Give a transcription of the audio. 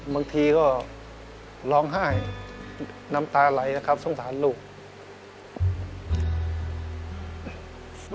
บางทีก็ร้องไห้น้ำตาไหลนะครับสงสารลูก